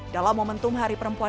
dalam momentum hari perempuan